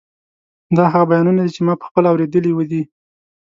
دا هغه بیانونه دي چې ما پخپله اورېدلي دي.